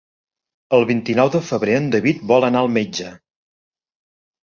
El vint-i-nou de febrer en David vol anar al metge.